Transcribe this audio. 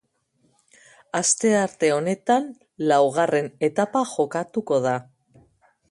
Astearte honetan laugarren etapa jokatuko da.